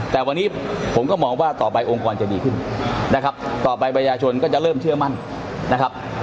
แต่วันนี้ผมก็มองว่าต่อไปองค์กรจะดีขึ้นนะครับต่อไปประชาชนก็จะเริ่มเชื่อมั่นนะครับ